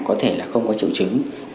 có thể là không có triệu chứng